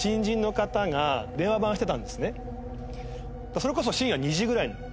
それこそ深夜２時ぐらい。